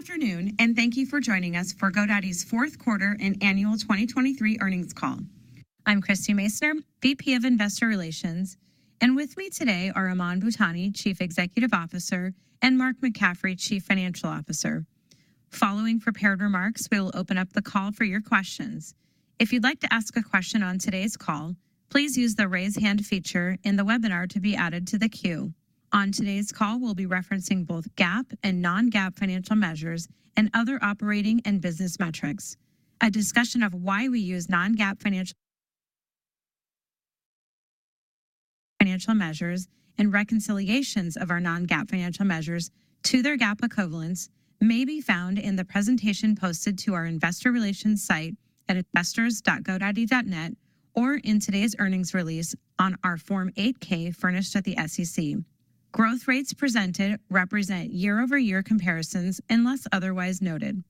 Good afternoon, and thank you for joining us for GoDaddy's Fourth Quarter and Annual 2023 earnings call. I'm Christie Masoner, VP of Investor Relations, and with me today are Aman Bhutani, Chief Executive Officer, and Mark McCaffrey, Chief Financial Officer. Following prepared remarks, we will open up the call for your questions. If you'd like to ask a question on today's call, please use the raise hand feature in the webinar to be added to the queue. On today's call, we'll be referencing both GAAP and non-GAAP financial measures and other operating and business metrics. A discussion of why we use non-GAAP financial measures and reconciliations of our non-GAAP financial measures to their GAAP equivalents may be found in the presentation posted to our Investor Relations site at investors.godaddy.net or in today's earnings release on our Form 8-K furnished at the SEC. Growth rates presented represent year-over-year comparisons unless otherwise noted.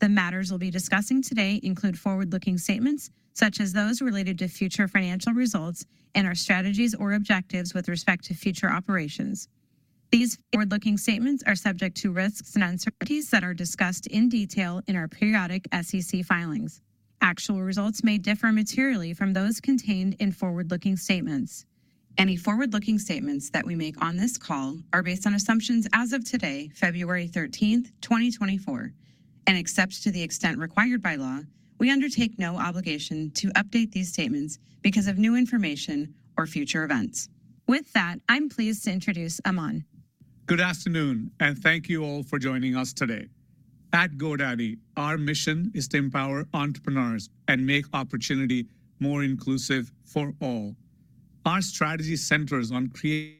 The matters we'll be discussing today include forward-looking statements such as those related to future financial results and our strategies or objectives with respect to future operations. These forward-looking statements are subject to risks and uncertainties that are discussed in detail in our periodic SEC filings. Actual results may differ materially from those contained in forward-looking statements. Any forward-looking statements that we make on this call are based on assumptions as of today, February 13, 2024, and except to the extent required by law, we undertake no obligation to update these statements because of new information or future events. With that, I'm pleased to introduce Aman. Good afternoon, and thank you all for joining us today. At GoDaddy, our mission is to empower entrepreneurs and make opportunity more inclusive for all. Our strategy centers on creating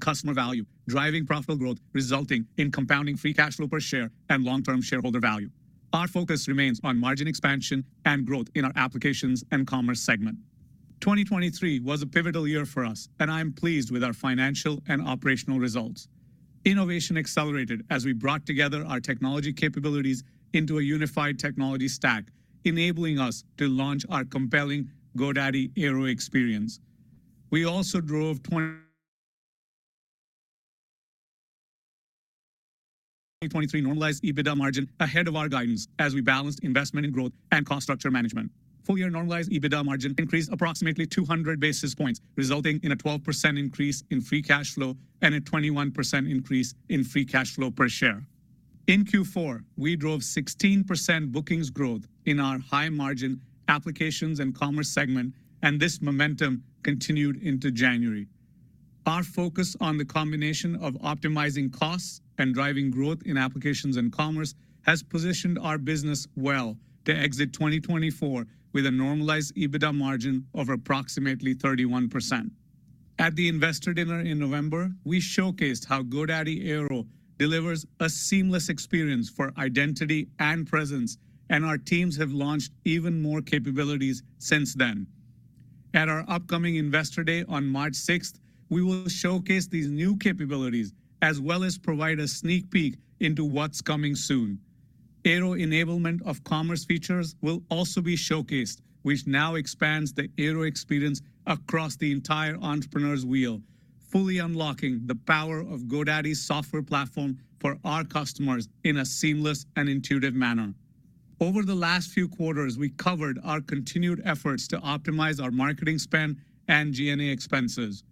customer value, driving profitable growth resulting in compounding free cash flow per share and long-term shareholder value. Our focus remains on margin expansion and growth in our Applications and Commerce segment. 2023 was a pivotal year for us, and I'm pleased with our financial and operational results. Innovation accelerated as we brought together our technology capabilities into a unified technology stack, enabling us to launch our compelling GoDaddy Airo experience. We also drove 2023 normalized EBITDA margin ahead of our guidance as we balanced investment in growth and cost structure management. Full-year normalized EBITDA margin increased approximately 200 basis points, resulting in a 12% increase in free cash flow and a 21% increase in free cash flow per share. In Q4, we drove 16% bookings growth in our high-margin Applications and Commerce segment, and this momentum continued into January. Our focus on the combination of optimizing costs and driving growth in Applications and Commerce has positioned our business well to exit 2024 with a normalized EBITDA margin of approximately 31%. At the investor dinner in November, we showcased how GoDaddy Airo delivers a seamless experience for identity and presence, and our teams have launched even more capabilities since then. At our upcoming investor day on March 6, we will showcase these new capabilities as well as provide a sneak peek into what's coming soon. Airo enablement of commerce features will also be showcased, which now expands the Airo experience across the entire Entrepreneur's Wheel, fully unlocking the power of GoDaddy's software platform for our customers in a seamless and intuitive manner. Over the last few quarters, we covered our continued efforts to optimize our marketing spend and G&A expenses.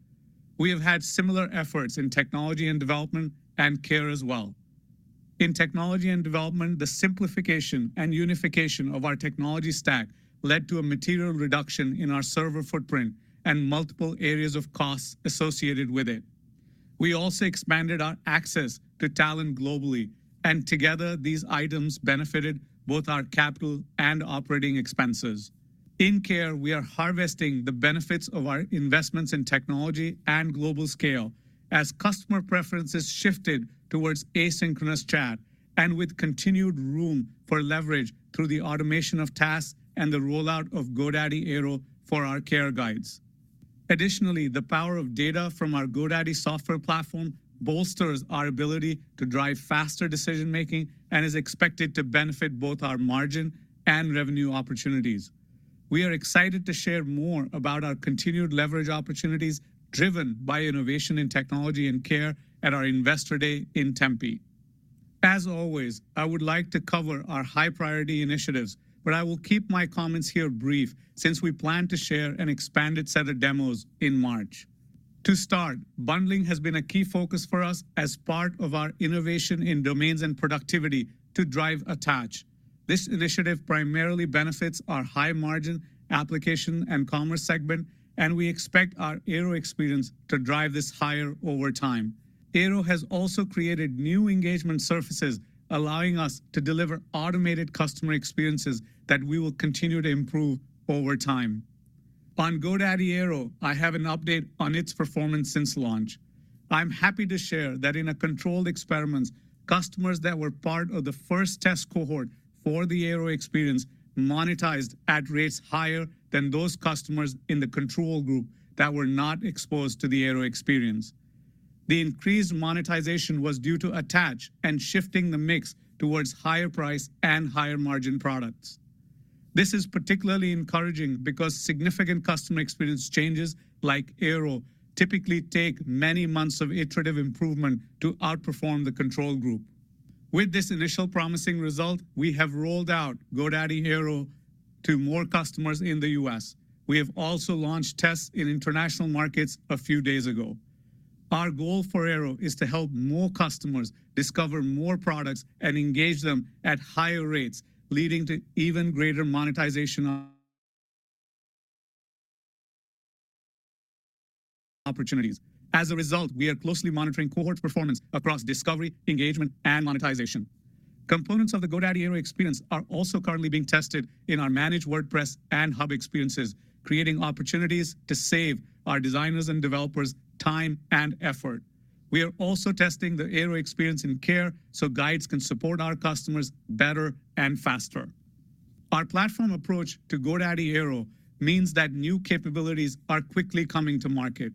We have had similar efforts in technology and development and care as well. In technology and development, the simplification and unification of our technology stack led to a material reduction in our server footprint and multiple areas of costs associated with it. We also expanded our access to talent globally, and together these items benefited both our capital and operating expenses. In care, we are harvesting the benefits of our investments in technology and global scale as customer preferences shifted towards asynchronous chat and with continued room for leverage through the automation of tasks and the rollout of GoDaddy Airo for our care guides. Additionally, the power of data from our GoDaddy software platform bolsters our ability to drive faster decision-making and is expected to benefit both our margin and revenue opportunities. We are excited to share more about our continued leverage opportunities driven by innovation in technology and care at our investor day in Tempe. As always, I would like to cover our high-priority initiatives, but I will keep my comments here brief since we plan to share an expanded set of demos in March. To start, bundling has been a key focus for us as part of our innovation in domains and productivity to drive attach. This initiative primarily benefits our high-margin application and commerce segment, and we expect our Airo experience to drive this higher over time. Airo has also created new engagement surfaces, allowing us to deliver automated customer experiences that we will continue to improve over time. On GoDaddy Airo, I have an update on its performance since launch. I'm happy to share that in a controlled experiment, customers that were part of the first test cohort for the Airo experience monetized at rates higher than those customers in the control group that were not exposed to the Airo experience. The increased monetization was due to attach and shifting the mix towards higher-price and higher-margin products. This is particularly encouraging because significant customer experience changes like Airo typically take many months of iterative improvement to outperform the control group. With this initial promising result, we have rolled out GoDaddy Airo to more customers in the U.S. We have also launched tests in international markets a few days ago. Our goal for Airo is to help more customers discover more products and engage them at higher rates, leading to even greater monetization opportunities. As a result, we are closely monitoring cohorts' performance across discovery, engagement, and monetization. Components of the GoDaddy Airo experience are also currently being tested in our Managed WordPress and Hub experiences, creating opportunities to save our designers and developers time and effort. We are also testing the Airo experience in care so guides can support our customers better and faster. Our platform approach to GoDaddy Airo means that new capabilities are quickly coming to market.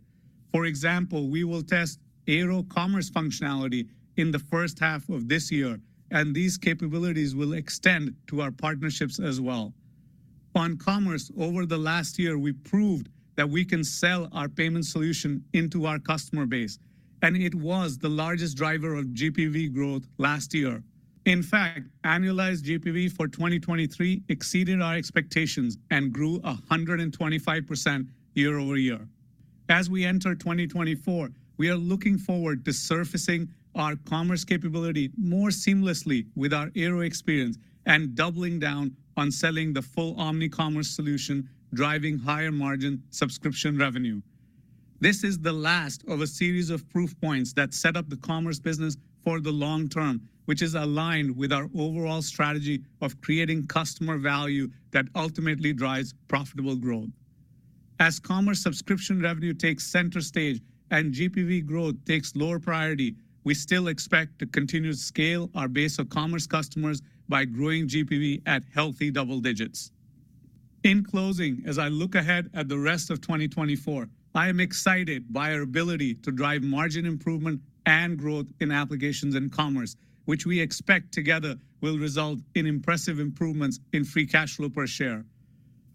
For example, we will test Airo commerce functionality in the first half of this year, and these capabilities will extend to our partnerships as well. On commerce, over the last year, we proved that we can sell our payment solution into our customer base, and it was the largest driver of GPV growth last year. In fact, annualized GPV for 2023 exceeded our expectations and grew 125% year-over-year. As we enter 2024, we are looking forward to surfacing our commerce capability more seamlessly with our Airo experience and doubling down on selling the full omnicommerce solution, driving higher-margin subscription revenue. This is the last of a series of proof points that set up the commerce business for the long term, which is aligned with our overall strategy of creating customer value that ultimately drives profitable growth. As commerce subscription revenue takes center stage and GPV growth takes lower priority, we still expect to continue to scale our base of commerce customers by growing GPV at healthy double digits. In closing, as I look ahead at the rest of 2024, I am excited by our ability to drive margin improvement and growth in Applications and Commerce, which we expect together will result in impressive improvements in free cash flow per share.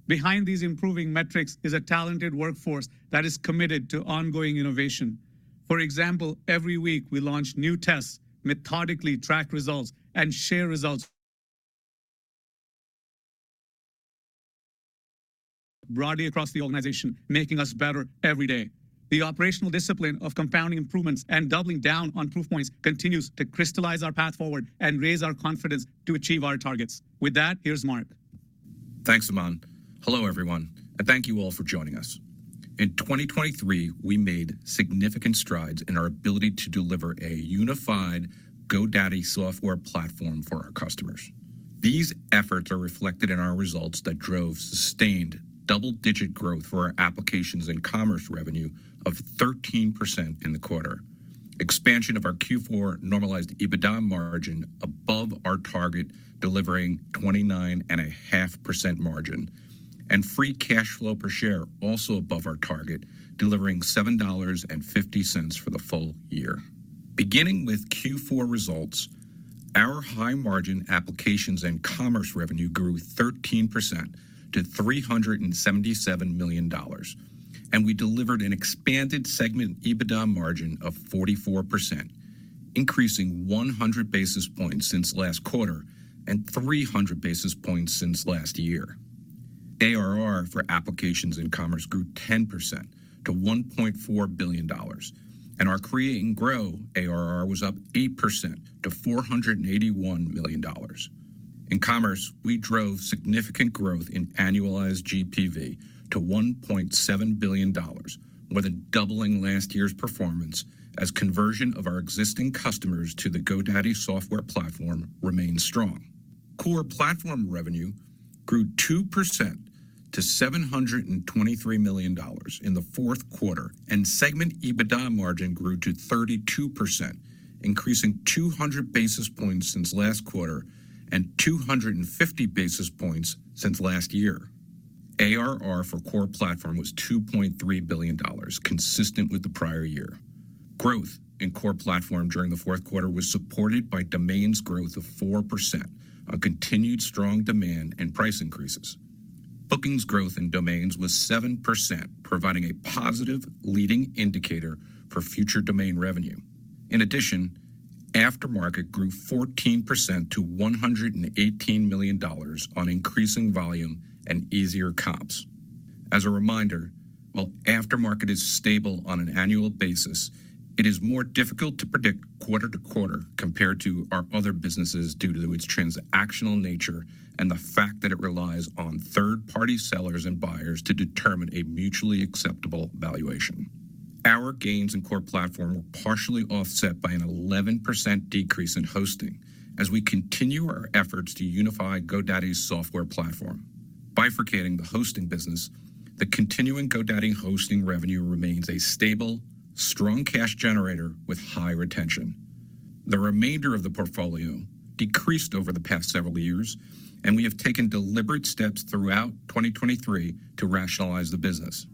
Behind these improving metrics is a talented workforce that is committed to ongoing innovation. For example, every week we launch new tests, methodically track results, and share results broadly across the organization, making us better every day. The operational discipline of compounding improvements and doubling down on proof points continues to crystallize our path forward and raise our confidence to achieve our targets. With that, here's Mark. Thanks, Aman. Hello everyone, and thank you all for joining us. In 2023, we made significant strides in our ability to deliver a unified GoDaddy software platform for our customers. These efforts are reflected in our results that drove sustained double-digit growth for our Applications and Commerce revenue of 13% in the quarter. Expansion of our Q4 normalized EBITDA margin above our target, delivering 29.5% margin, and free cash flow per share also above our target, delivering $7.50 for the full year. Beginning with Q4 results, our high-margin Applications and Commerce revenue grew 13% to $377 million, and we delivered an expanded segment EBITDA margin of 44%, increasing 100 basis points since last quarter and 300 basis points since last year. ARR for Applications and Commerce grew 10% to $1.4 billion, and our core growth ARR was up 8% to $481 million. In commerce, we drove significant growth in annualized GPV to $1.7 billion, more than doubling last year's performance as conversion of our existing customers to the GoDaddy software platform remains strong. Core Platform revenue grew 2% to $723 million in the fourth quarter, and segment EBITDA margin grew to 32%, increasing 200 basis points since last quarter and 250 basis points since last year. ARR for Core Platform was $2.3 billion, consistent with the prior year. Growth in Core Platform during the fourth quarter was supported by Domains growth of 4%, a continued strong demand and price increases. Bookings growth in Domains was 7%, providing a positive leading indicator for future domain revenue. In addition, Aftermarket grew 14% to $118 million on increasing volume and easier comps. As a reminder, while aftermarket is stable on an annual basis, it is more difficult to predict quarter-to-quarter compared to our other businesses due to its transactional nature and the fact that it relies on third-party sellers and buyers to determine a mutually acceptable valuation. Our gains in Core Platform were partially offset by an 11% decrease in hosting as we continue our efforts to unify GoDaddy's software platform. Bifurcating the hosting business, the continuing GoDaddy hosting revenue remains a stable, strong cash generator with high retention. The remainder of the portfolio decreased over the past several years, and we have taken deliberate steps throughout 2023 to rationalize the business.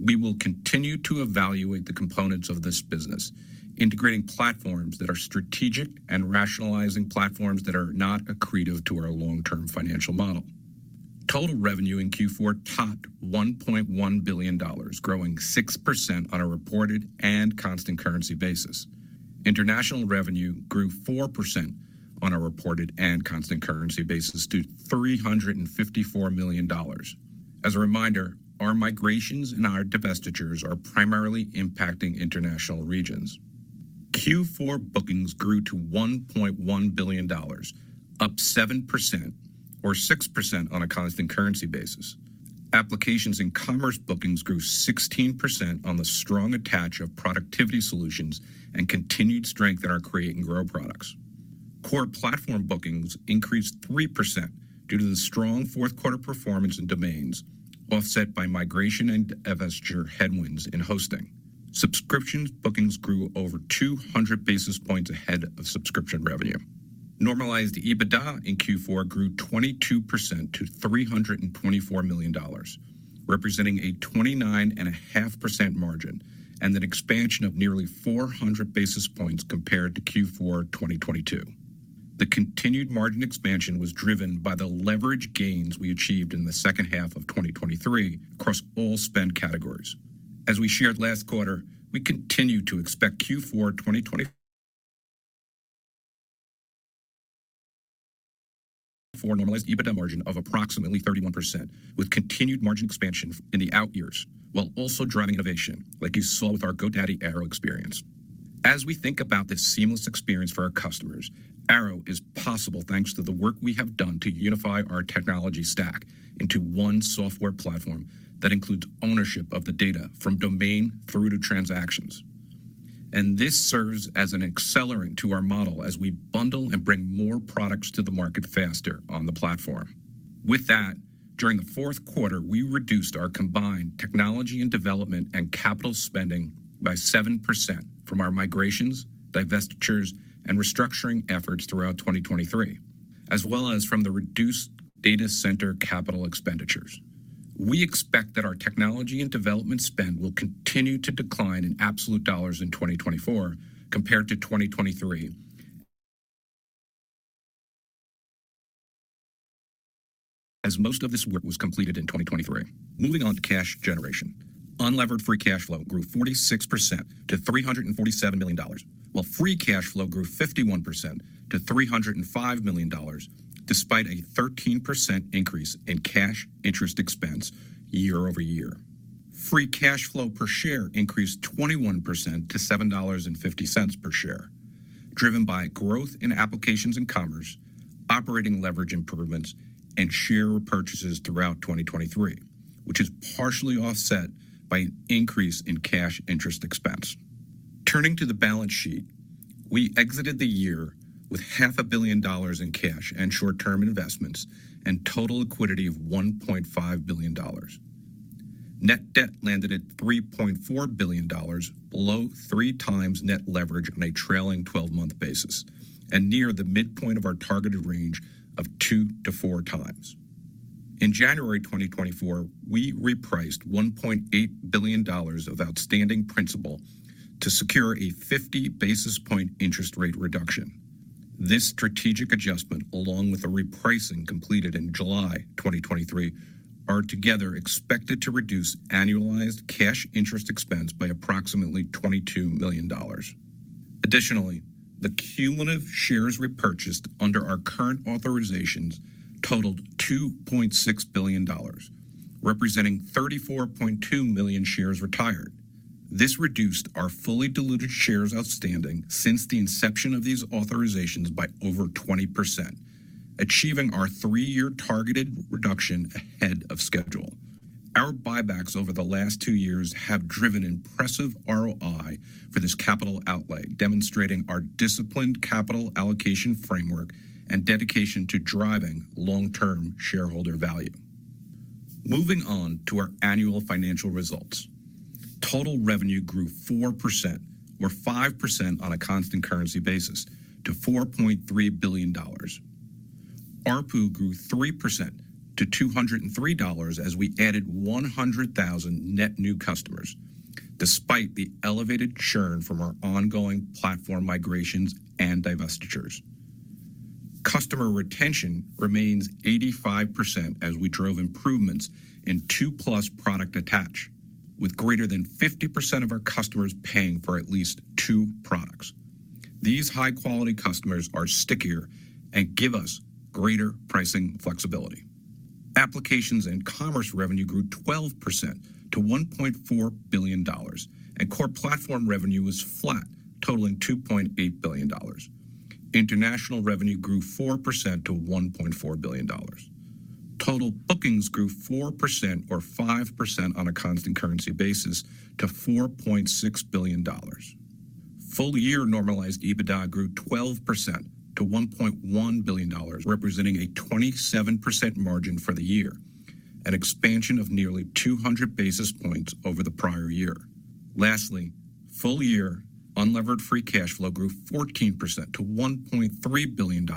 We will continue to evaluate the components of this business, integrating platforms that are strategic and rationalizing platforms that are not accretive to our long-term financial model. Total revenue in Q4 topped $1.1 billion, growing 6% on a reported and constant currency basis. International revenue grew 4% on a reported and constant currency basis to $354 million. As a reminder, our migrations and our divestitures are primarily impacting international regions. Q4 bookings grew to $1.1 billion, up 7% or 6% on a constant currency basis. Applications and Commerce bookings grew 16% on the strong attach of productivity solutions and continued strength in our Create and Grow products. Core Platform bookings increased 3% due to the strong fourth-quarter performance in domains, offset by migration and divestiture headwinds in hosting. Subscriptions bookings grew over 200 basis points ahead of subscription revenue. Normalized EBITDA in Q4 grew 22% to $324 million, representing a 29.5% margin and an expansion of nearly 400 basis points compared to Q4 2022. The continued margin expansion was driven by the leverage gains we achieved in the second half of 2023 across all spend categories. As we shared last quarter, we continue to expect Q4 2024 normalized EBITDA margin of approximately 31% with continued margin expansion in the out-years while also driving innovation, like you saw with our GoDaddy Airo experience. As we think about this seamless experience for our customers, Airo is possible thanks to the work we have done to unify our technology stack into one software platform that includes ownership of the data from domain through to transactions. This serves as an accelerant to our model as we bundle and bring more products to the market faster on the platform. With that, during the fourth quarter, we reduced our combined technology and development and capital spending by 7% from our migrations, divestitures, and restructuring efforts throughout 2023, as well as from the reduced data center capital expenditures. We expect that our technology and development spend will continue to decline in absolute dollars in 2024 compared to 2023, as most of this work was completed in 2023. Moving on to cash generation. Unlevered free cash flow grew 46% to $347 million, while free cash flow grew 51% to $305 million despite a 13% increase in cash interest expense year-over-year. Free cash flow per share increased 21% to $7.50 per share, driven by growth in Applications and Commerce, operating leverage improvements, and share repurchases throughout 2023, which is partially offset by an increase in cash interest expense. Turning to the balance sheet, we exited the year with $500 million in cash and short-term investments and total liquidity of $1.5 billion. Net debt landed at $3.4 billion, below three times net leverage on a trailing 12-month basis, and near the midpoint of our targeted range of two to four times. In January 2024, we repriced $1.8 billion of outstanding principal to secure a 50 basis point interest rate reduction. This strategic adjustment, along with a repricing completed in July 2023, are together expected to reduce annualized cash interest expense by approximately $22 million. Additionally, the cumulative shares repurchased under our current authorizations totaled $2.6 billion, representing 34.2 million shares retired. This reduced our fully diluted shares outstanding since the inception of these authorizations by over 20%, achieving our three-year targeted reduction ahead of schedule. Our buybacks over the last two years have driven impressive ROI for this capital outlay, demonstrating our disciplined capital allocation framework and dedication to driving long-term shareholder value. Moving on to our annual financial results. Total revenue grew 4% or 5% on a constant currency basis to $4.3 billion. ARPU grew 3% to $203 as we added 100,000 net new customers, despite the elevated churn from our ongoing platform migrations and divestitures. Customer retention remains 85% as we drove improvements in 2+ product attach, with greater than 50% of our customers paying for at least two products. These high-quality customers are stickier and give us greater pricing flexibility. Applications and Commerce revenue grew 12% to $1.4 billion, and Core Platform revenue was flat, totaling $2.8 billion. International revenue grew 4% to $1.4 billion. Total bookings grew 4% or 5% on a constant currency basis to $4.6 billion. Full-year normalized EBITDA grew 12% to $1.1 billion, representing a 27% margin for the year, an expansion of nearly 200 basis points over the prior year. Lastly, full-year unlevered free cash flow grew 14% to $1.3 billion,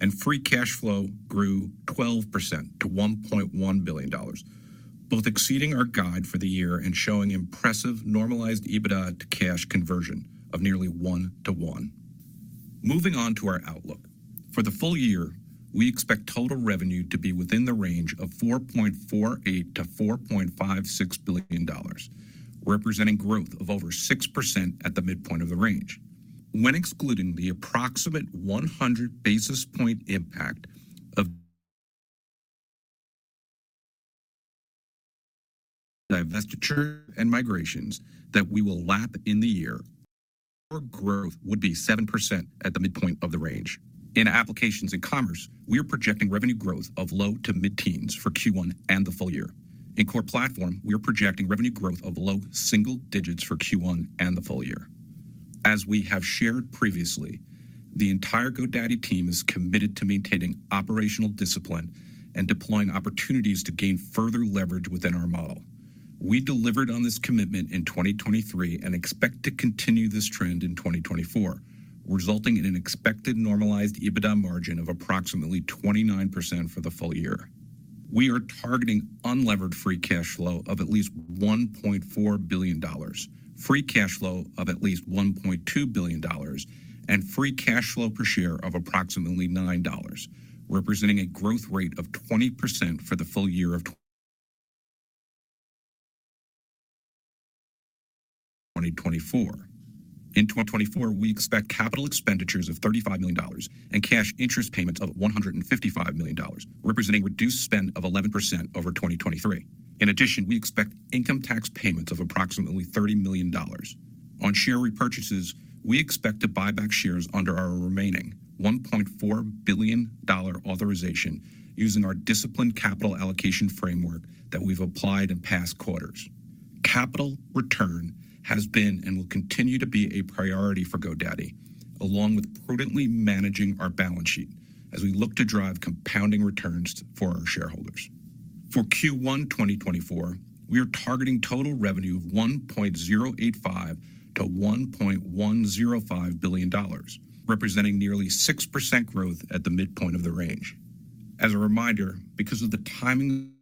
and free cash flow grew 12% to $1.1 billion, both exceeding our guide for the year and showing impressive normalized EBITDA to cash conversion of nearly one to one. Moving on to our outlook. For the full year, we expect total revenue to be within the range of $4.48-$4.56 billion, representing growth of over 6% at the midpoint of the range, when excluding the approximate 100 basis point impact of divestiture and migrations that we will lap in the year. Core growth would be 7% at the midpoint of the range. In Applications and Commerce, we are projecting revenue growth of low to mid-teens for Q1 and the full year. In Core Platform, we are projecting revenue growth of low single digits for Q1 and the full year. As we have shared previously, the entire GoDaddy team is committed to maintaining operational discipline and deploying opportunities to gain further leverage within our model. We delivered on this commitment in 2023 and expect to continue this trend in 2024, resulting in an expected Normalized EBITDA margin of approximately 29% for the full year. We are targeting Unlevered Free Cash Flow of at least $1.4 billion, Free Cash Flow of at least $1.2 billion, and free cash flow per share of approximately $9, representing a growth rate of 20% for the full year of 2024. In 2024, we expect capital expenditures of $35 million and cash interest payments of $155 million, representing reduced spend of 11% over 2023. In addition, we expect income tax payments of approximately $30 million. On share repurchases, we expect to buy back shares under our remaining $1.4 billion authorization using our disciplined capital allocation framework that we've applied in past quarters. Capital return has been and will continue to be a priority for GoDaddy, along with prudently managing our balance sheet as we look to drive compounding returns for our shareholders. For Q1 2024, we are targeting total revenue of $1.085-$1.105 billion, representing nearly 6% growth at the midpoint of the range. As a reminder, because of the timing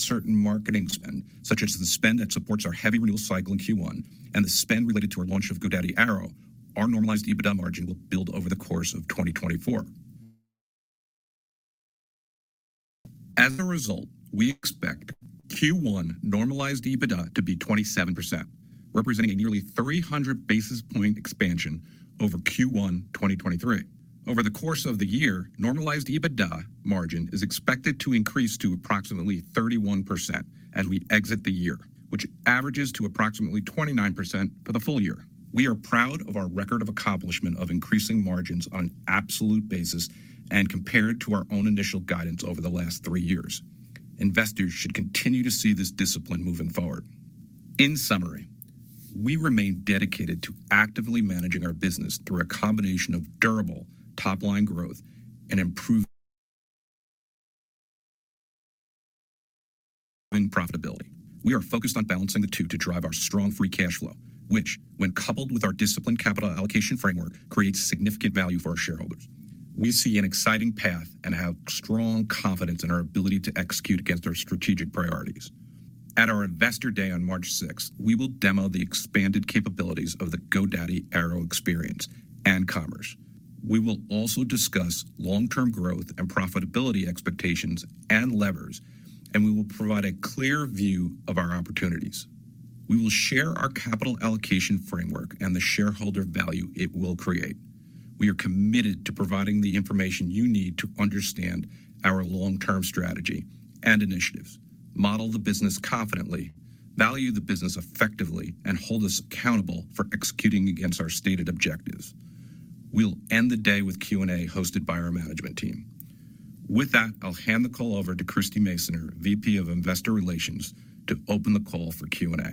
of certain marketing spend, such as the spend that supports our heavy renewal cycle in Q1 and the spend related to our launch of GoDaddy Airo, our normalized EBITDA margin will build over the course of 2024. As a result, we expect Q1 normalized EBITDA to be 27%, representing a nearly 300 basis points expansion over Q1 2023. Over the course of the year, normalized EBITDA margin is expected to increase to approximately 31% as we exit the year, which averages to approximately 29% for the full year. We are proud of our record of accomplishment of increasing margins on an absolute basis and compared to our own initial guidance over the last three years. Investors should continue to see this discipline moving forward. In summary, we remain dedicated to actively managing our business through a combination of durable top-line growth and improving profitability. We are focused on balancing the two to drive our strong free cash flow, which, when coupled with our disciplined capital allocation framework, creates significant value for our shareholders. We see an exciting path and have strong confidence in our ability to execute against our strategic priorities. At our investor day on March 6, we will demo the expanded capabilities of the GoDaddy Airo experience and commerce. We will also discuss long-term growth and profitability expectations and levers, and we will provide a clear view of our opportunities. We will share our capital allocation framework and the shareholder value it will create. We are committed to providing the information you need to understand our long-term strategy and initiatives, model the business confidently, value the business effectively, and hold us accountable for executing against our stated objectives. We'll end the day with Q&A hosted by our management team. With that, I'll hand the call over to Christie Masoner, VP of Investor Relations, to open the call for Q&A.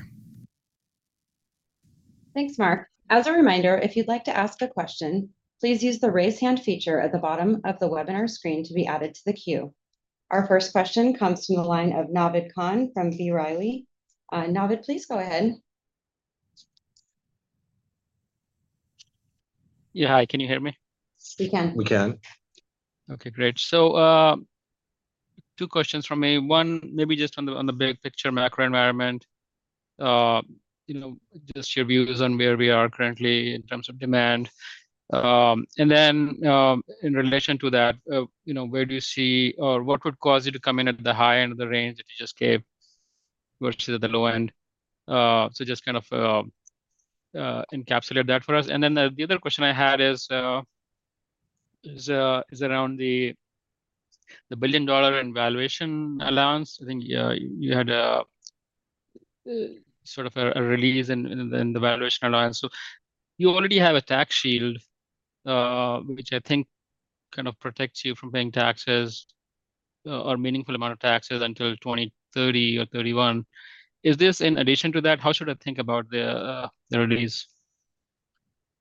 Thanks, Mark. As a reminder, if you'd like to ask a question, please use the raise hand feature at the bottom of the webinar screen to be added to the queue. Our first question comes from the line of Naved Khan from B. Riley. Naved, please go ahead. Yeah, hi. Can you hear me? We can. We can. Okay, great. So two questions from me. One, maybe just on the big picture macro environment, just your views on where we are currently in terms of demand. And then in relation to that, where do you see or what would cause you to come in at the high end of the range that you just gave versus at the low end? So just kind of encapsulate that for us. And then the other question I had is around the $1 billion valuation allowance. I think you had sort of a release in the valuation allowance. So you already have a tax shield, which I think kind of protects you from paying taxes or a meaningful amount of taxes until 2030 or 2031. Is this in addition to that? How should I think about the release?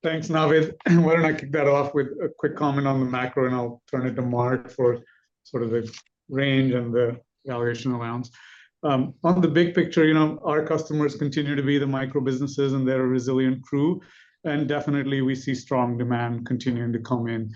Thanks, Naved. Why don't I kick that off with a quick comment on the macro, and I'll turn it to Mark for sort of the range and the valuation allowance. On the big picture, our customers continue to be the micro businesses, and they're a resilient crew. Definitely, we see strong demand continuing to come in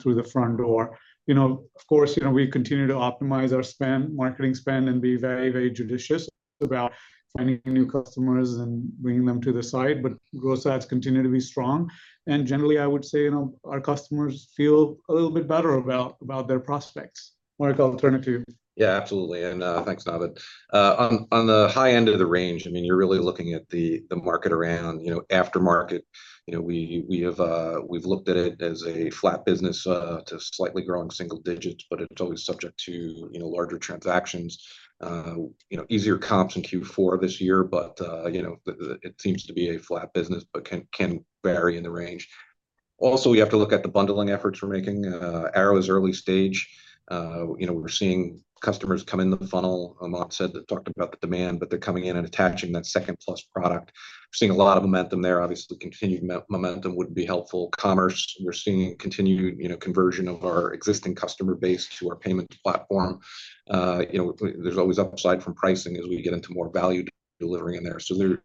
through the front door. Of course, we continue to optimize our spend, marketing spend, and be very, very judicious about finding new customers and bringing them to the side. Growth sides continue to be strong. Generally, I would say our customers feel a little bit better about their prospects. Mark, alternative? Yeah, absolutely. Thanks, Naved. On the high end of the range, I mean, you're really looking at the market around aftermarket. We've looked at it as a flat business to slightly growing single digits, but it's always subject to larger transactions. Easier comps in Q4 this year, but it seems to be a flat business but can vary in the range. Also, we have to look at the bundling efforts we're making. Airo is early stage. We're seeing customers come in the funnel. Aman said that talked about the demand, but they're coming in and attaching that second-plus product. We're seeing a lot of momentum there. Obviously, continued momentum would be helpful. Commerce, we're seeing continued conversion of our existing customer base to our payment platform. There's always upside from pricing as we get into more value delivering in there. So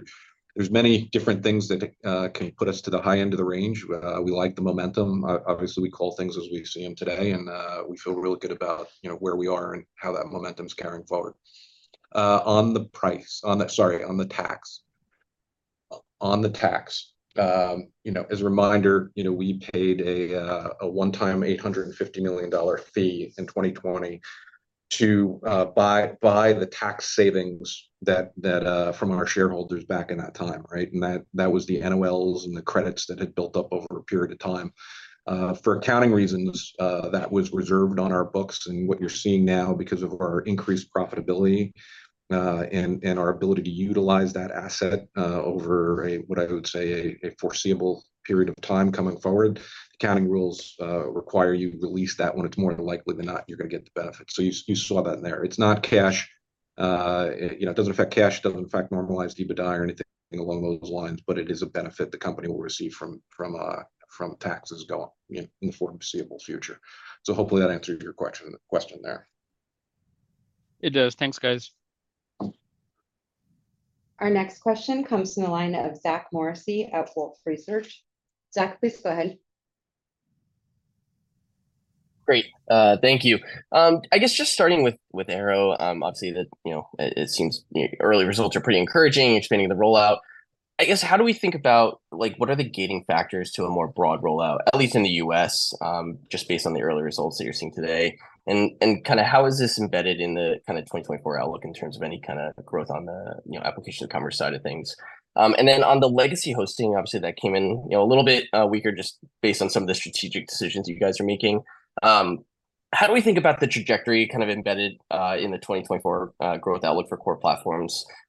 there's many different things that can put us to the high end of the range. We like the momentum. Obviously, we call things as we see them today, and we feel really good about where we are and how that momentum is carrying forward. On the price, sorry, on the tax. On the tax, as a reminder, we paid a one-time $850 million fee in 2020 to buy the tax savings from our shareholders back in that time, right? And that was the NOLs and the credits that had built up over a period of time. For accounting reasons, that was reserved on our books. What you're seeing now, because of our increased profitability and our ability to utilize that asset over what I would say a foreseeable period of time coming forward, accounting rules require you release that when it's more than likely than not you're going to get the benefit. So you saw that in there. It's not cash. It doesn't affect cash. It doesn't affect Normalized EBITDA or anything along those lines, but it is a benefit the company will receive from taxes going in the foreseeable future. So hopefully, that answers your question there. It does. Thanks, guys. Our next question comes from the line of Zach Morrissey at Wolfe Research. Zach, please go ahead. Great. Thank you. I guess just starting with Airo, obviously, it seems early results are pretty encouraging, expanding the rollout. I guess how do we think about what are the gating factors to a more broad rollout, at least in the U.S., just based on the early results that you're seeing today? And kind of how is this embedded in the kind of 2024 outlook in terms of any kind of growth on the Applications and Commerce side of things? And then on the legacy hosting, obviously, that came in a little bit weaker just based on some of the strategic decisions you guys are making. How do we think about the trajectory kind of embedded in the 2024 growth outlook for Core Platform?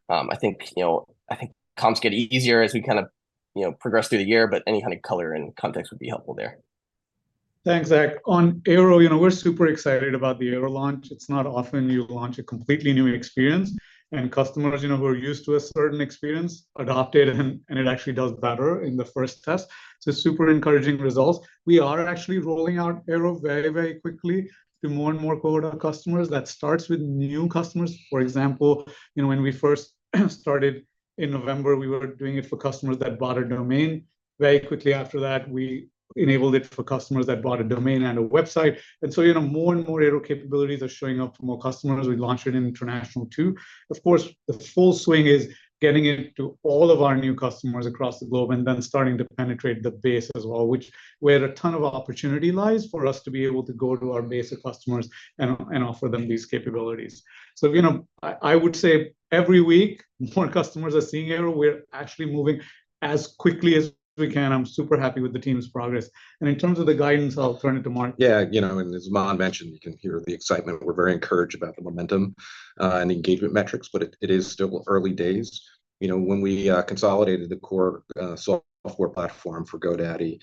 I think comps get easier as we kind of progress through the year, but any kind of color and context would be helpful there. Thanks, Zach. On Airo, we're super excited about the Airo launch. It's not often you launch a completely new experience, and customers who are used to a certain experience adopt it, and it actually does better in the first test. So super encouraging results. We are actually rolling out Airo very, very quickly to more and more core customers. That starts with new customers. For example, when we first started in November, we were doing it for customers that bought a domain. Very quickly after that, we enabled it for customers that bought a domain and a website. And so more and more Airo capabilities are showing up for more customers. We launched it internationally, too. Of course, the full swing is getting it to all of our new customers across the globe and then starting to penetrate the base as well, where a ton of opportunity lies for us to be able to go to our basic customers and offer them these capabilities. So I would say every week more customers are seeing Airo. We're actually moving as quickly as we can. I'm super happy with the team's progress. In terms of the guidance, I'll turn it to Mark. Yeah. As Aman mentioned, you can hear the excitement. We're very encouraged about the momentum and the engagement metrics, but it is still early days. When we consolidated the core software platform for GoDaddy,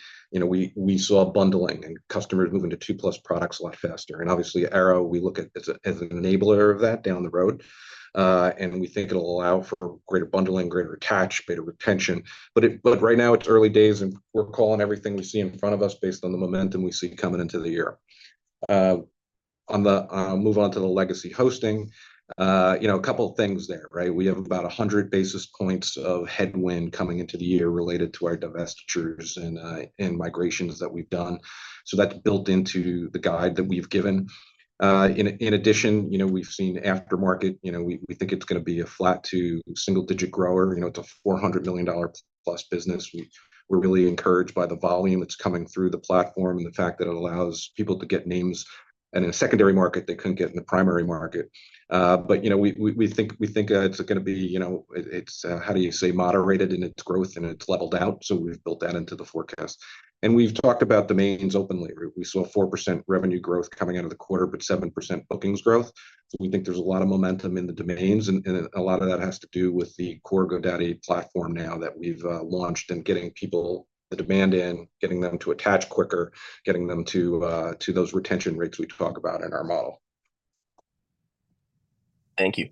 we saw bundling and customers moving to 2+ products a lot faster. And obviously, Airo, we look at it as an enabler of that down the road. And we think it'll allow for greater bundling, greater attach, better retention. But right now, it's early days, and we're calling everything we see in front of us based on the momentum we see coming into the year. I'll move on to the legacy hosting. A couple of things there, right? We have about 100 basis points of headwind coming into the year related to our divestitures and migrations that we've done. So that's built into the guide that we've given. In addition, we've seen aftermarket. We think it's going to be a flat-to-single-digit grower. It's a $400+ million business. We're really encouraged by the volume that's coming through the platform and the fact that it allows people to get names in a secondary market they couldn't get in the primary market. But we think it's going to be. It's, how do you say, moderated in its growth, and it's leveled out. So we've built that into the forecast. And we've talked about domains openly. We saw 4% revenue growth coming out of the quarter, but 7% bookings growth. So we think there's a lot of momentum in the domains. And a lot of that has to do with the core GoDaddy platform now that we've launched and getting people the demand in, getting them to attach quicker, getting them to those retention rates we talk about in our model. Thank you.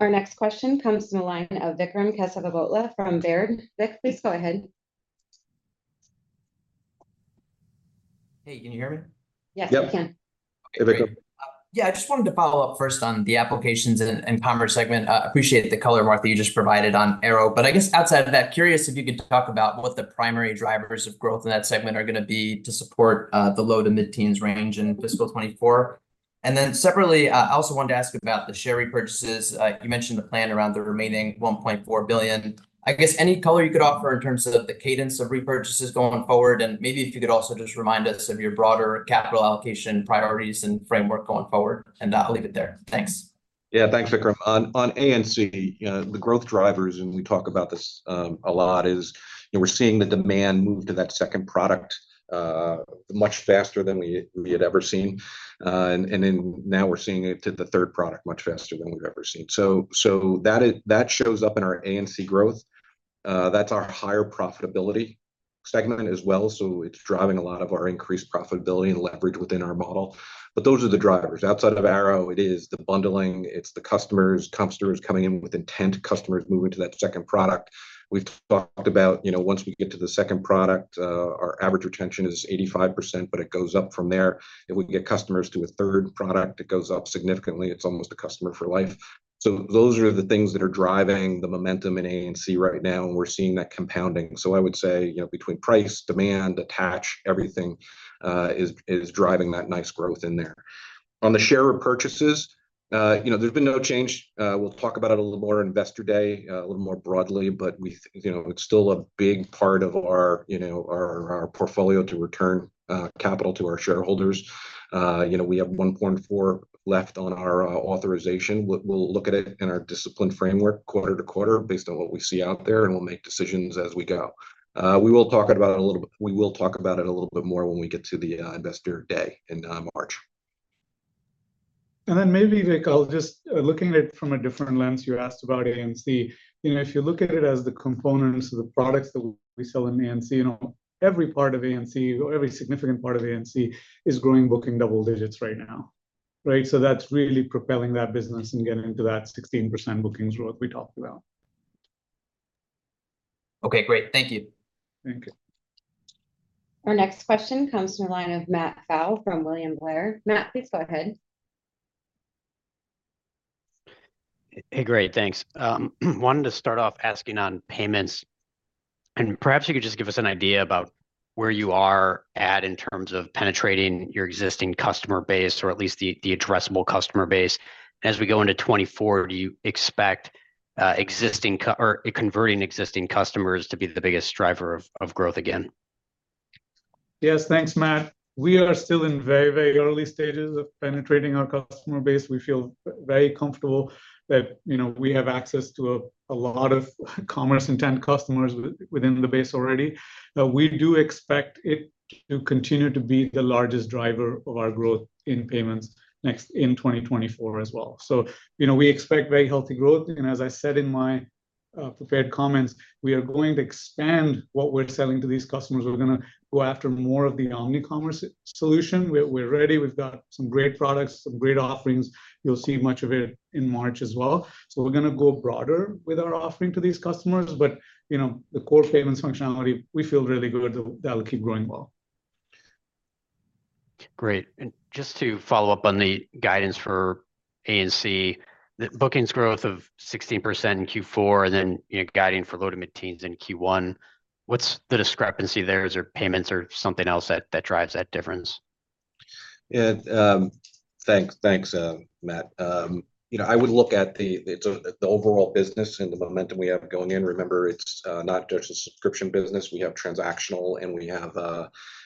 Our next question comes from the line of Vikram Kesavabhotla from Baird. Vik, please go ahead. Hey, can you hear me? Yes, we can. Yeah, I just wanted to follow up first on the Applications and Commerce segment. Appreciate the color, Mark, you just provided on Airo. But I guess outside of that, curious if you could talk about what the primary drivers of growth in that segment are going to be to support the low-to-mid-teens range in fiscal 2024. And then separately, I also wanted to ask about the share repurchases. You mentioned the plan around the remaining $1.4 billion. I guess any color you could offer in terms of the cadence of repurchases going forward, and maybe if you could also just remind us of your broader capital allocation priorities and framework going forward. And I'll leave it there. Thanks. Yeah, thanks, Vikram. On A&C, the growth drivers - and we talk about this a lot - is we're seeing the demand move to that second product much faster than we had ever seen. And then now we're seeing it to the third product much faster than we've ever seen. So that shows up in our A&C growth. That's our higher profitability segment as well. So it's driving a lot of our increased profitability and leverage within our model. But those are the drivers. Outside of ARO, it is the bundling. It's the customers - commerce drivers - coming in with intent, customers moving to that second product. We've talked about once we get to the second product, our average retention is 85%, but it goes up from there. If we get customers to a third product, it goes up significantly. It's almost a customer for life. So those are the things that are driving the momentum in A&C right now, and we're seeing that compounding. So I would say between price, demand, attach, everything is driving that nice growth in there. On the share repurchases, there's been no change. We'll talk about it a little more Investor Day, a little more broadly, but it's still a big part of our portfolio to return capital to our shareholders. We have $1.4 left on our authorization. We'll look at it in our discipline framework quarter to quarter based on what we see out there, and we'll make decisions as we go. We will talk about it a little bit more when we get to the Investor Day in March. Then maybe, Vik, looking at it from a different lens, you asked about A&C. If you look at it as the components of the products that we sell in A&C, every part of A&C or every significant part of A&C is growing booking double digits right now, right? So that's really propelling that business and getting to that 16% bookings growth we talked about. Okay, great. Thank you. Thank you. Our next question comes from the line of Matt Pfau from William Blair. Matt, please go ahead. Hey, great. Thanks. Wanted to start off asking on payments. Perhaps you could just give us an idea about where you are at in terms of penetrating your existing customer base or at least the addressable customer base. As we go into 2024, do you expect converting existing customers to be the biggest driver of growth again? Yes, thanks, Matt. We are still in very, very early stages of penetrating our customer base. We feel very comfortable that we have access to a lot of commerce-intent customers within the base already. We do expect it to continue to be the largest driver of our growth in payments in 2024 as well. So we expect very healthy growth. And as I said in my prepared comments, we are going to expand what we're selling to these customers. We're going to go after more of the omnicommerce solution. We're ready. We've got some great products, some great offerings. You'll see much of it in March as well. So we're going to go broader with our offering to these customers. But the core payments functionality, we feel really good that will keep growing well. Great. And just to follow up on the guidance for A&C, the bookings growth of 16% in Q4 and then guiding for low-to-mid-teens in Q1, what's the discrepancy there? Is there payments or something else that drives that difference? Yeah, thanks, Matt. I would look at the overall business and the momentum we have going in. Remember, it's not just a subscription business. We have transactional, and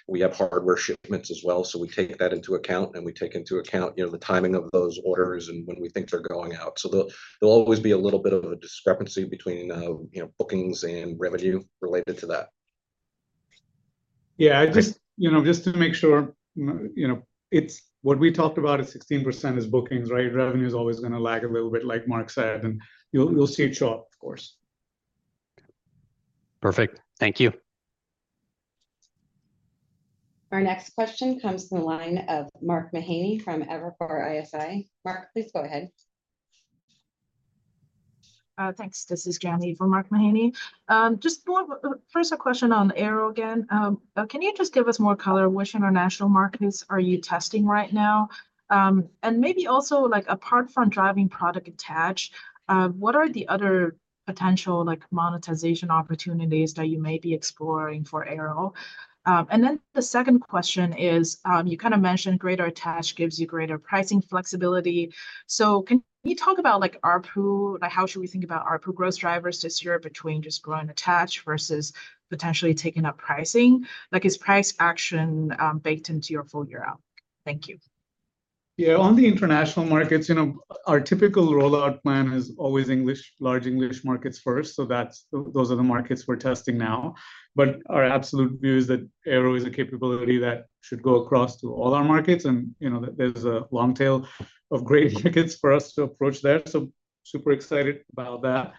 we have hardware shipments as well. So we take that into account, and we take into account the timing of those orders and when we think they're going out. So there'll always be a little bit of a discrepancy between bookings and revenue related to that. Yeah, just to make sure, what we talked about is 16% is bookings, right? Revenue is always going to lag a little bit, like Mark said. And you'll see it show up, of course. Perfect. Thank you. Our next question comes from the line of Mark Mahaney from Evercore ISI. Mark, please go ahead. Thanks. This is Jian Li from Mark Mahaney. Just first, a question on Airo again. Can you just give us more color? Which international markets are you testing right now? And maybe also, apart from driving product attach, what are the other potential monetization opportunities that you may be exploring for Airo? And then the second question is, you kind of mentioned greater attach gives you greater pricing flexibility. So can you talk about ARPU? How should we think about ARPU growth drivers this year between just growing attach versus potentially taking up pricing? Is price action baked into your full year outlook? Thank you. Yeah, on the international markets, our typical rollout plan is always English, large English markets first. So those are the markets we're testing now. But our absolute view is that Airo is a capability that should go across to all our markets, and there's a long tail of great tickets for us to approach there. So super excited about that.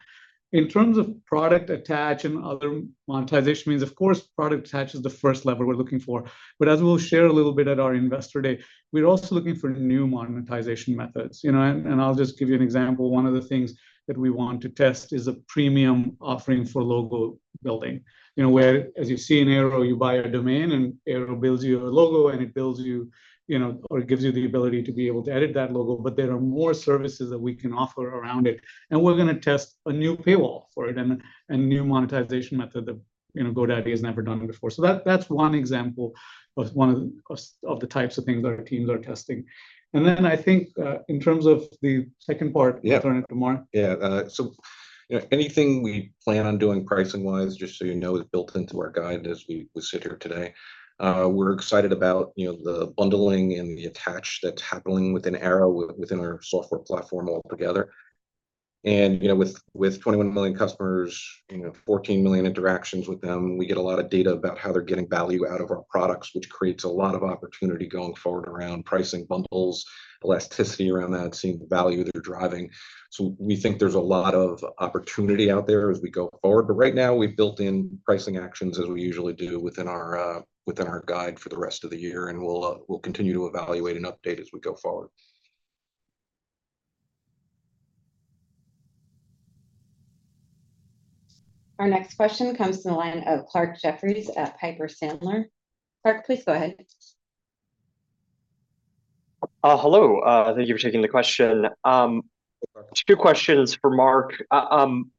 In terms of product attach and other monetization means, of course, product attach is the first level we're looking for. But as we'll share a little bit at our investor day, we're also looking for new monetization methods. And I'll just give you an example. One of the things that we want to test is a premium offering for logo building, where, as you see in Airo, you buy a domain, and Airo builds you a logo, and it builds you or gives you the ability to be able to edit that logo. But there are more services that we can offer around it. And we're going to test a new paywall for it and a new monetization method that GoDaddy has never done before. So that's one example of one of the types of things our teams are testing. And then I think in terms of the second part, I'll turn it to Mark. Yeah. So anything we plan on doing pricing-wise, just so you know, is built into our guide as we sit here today. We're excited about the bundling and the attach that's happening within Airo, within our software platform altogether. And with 21 million customers, 14 million interactions with them, we get a lot of data about how they're getting value out of our products, which creates a lot of opportunity going forward around pricing bundles, elasticity around that, seeing the value they're driving. So we think there's a lot of opportunity out there as we go forward. But right now, we've built in pricing actions as we usually do within our guide for the rest of the year. And we'll continue to evaluate and update as we go forward. Our next question comes from the line of Clarke Jeffries at Piper Sandler. Clarke, please go ahead. Hello. Thank you for taking the question. Two questions for Mark.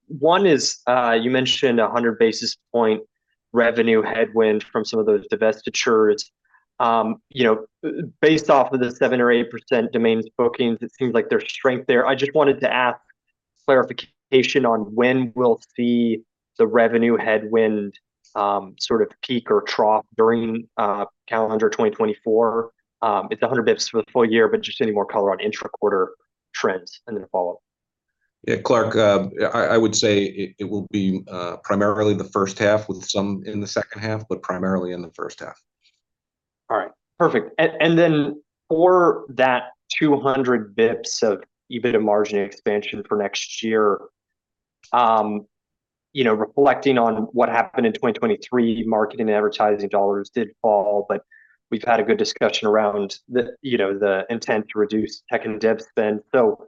One is, you mentioned 100 basis points revenue headwind from some of those divestitures. Based off of the 7% or 8% domains bookings, it seems like there's strength there. I just wanted to ask clarification on when we'll see the revenue headwind sort of peak or trough during calendar 2024. It's 100 basis points for the full year, but just any more color on intra-quarter trends and then a follow-up. Yeah, Clarke, I would say it will be primarily the first half with some in the second half, but primarily in the first half. All right. Perfect. And then for that 200 basis points of EBITDA margin expansion for next year, reflecting on what happened in 2023, marketing and advertising dollars did fall, but we've had a good discussion around the intent to reduce tech and dev spend. So